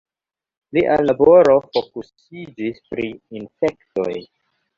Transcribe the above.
Lia laboro fokusiĝis pri infektoj.